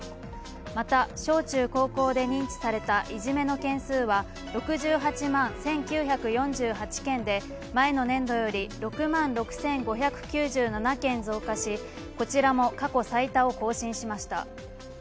また小中高校で認知されたいじめの件数は６８万１９４８件で前の年度より６万６５９７件増加しこちらも過去最多を更新しました。